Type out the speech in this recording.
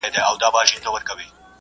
د څپو غېږته قسمت وو غورځولی `